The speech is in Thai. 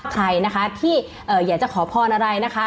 ใครนะคะที่อยากจะขอพรอะไรนะคะ